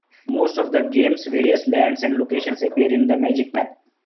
Most of the game's various lands and locations appear in the magic map.